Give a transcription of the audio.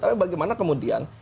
tapi bagaimana kemudian